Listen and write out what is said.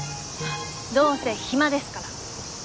どうせ暇ですから。